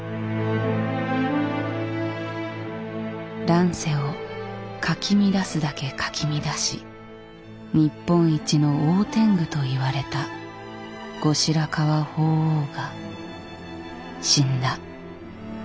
乱世をかき乱すだけかき乱し日本一の大天狗といわれた後白河法皇が死んだ。